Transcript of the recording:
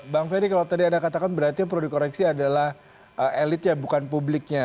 bang ferry kalau tadi anda katakan berarti perlu dikoreksi adalah elitnya bukan publiknya